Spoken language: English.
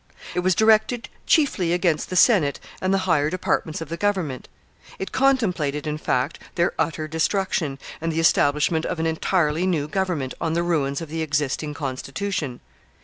It was directed chiefly against the Senate and the higher departments of the government; it contemplated, in fact, their utter destruction, and the establishment of an entirely new government on the ruins of the existing constitution.